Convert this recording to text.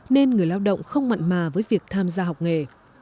nên người lao động không mặn mà với việc tham gia học nghề